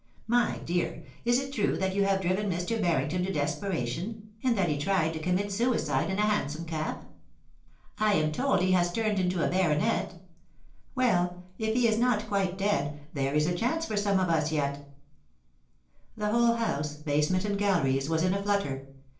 My dear, is it true that you have driven Mr. Banington to desperation, and that he tried to commit suicide in a hansom cab ? I am told that he has turned into as— I 388 POLICY AND PASSIOM. ' a baronet Well, if he is not quite dead there b a chance for some of us yet' The whole House, basement and galleries, was in a flutter.